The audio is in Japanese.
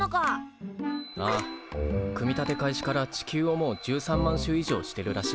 ああ組み立て開始から地球をもう１３万周以上してるらしい。